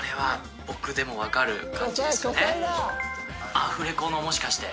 アフレコのもしかして。